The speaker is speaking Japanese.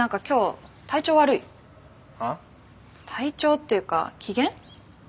体調っていうか機嫌？